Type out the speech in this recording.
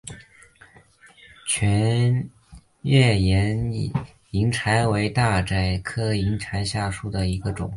全缘叶银柴为大戟科银柴属下的一个种。